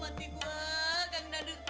mati gua kak nandu